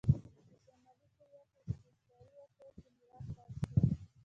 په شلي کوریا کې استثاري وسایل په میراث پاتې شول.